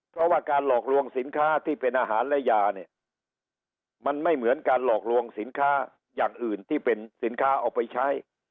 เพราะว่าการหลอกลวงสินค้าที่เป็นอาหารและยาเนี่ยมันไม่เหมือนการหลอกลวงสินค้าอย่างอื่นที่เป็นสินค้าเอาไปใช้